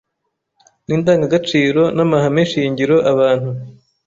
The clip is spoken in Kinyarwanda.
n’indangagaciro n’amahame shingiro abantu